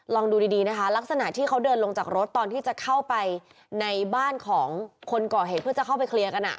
ลองดูดีนะคะลักษณะที่เขาเดินลงจากรถตอนที่จะเข้าไปในบ้านของคนก่อเหตุเพื่อจะเข้าไปเคลียร์กัน